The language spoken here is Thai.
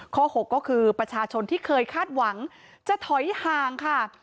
หกก็คือประชาชนที่เคยคาดหวังจะถอยห่างค่ะ